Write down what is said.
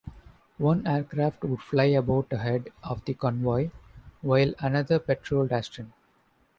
One aircraft would fly about ahead of the convoy, while another patrolled astern.